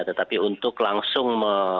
tetapi untuk langsung